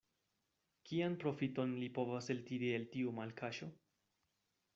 Kian profiton li povas eltiri el tiu malkaŝo?